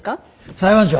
裁判長。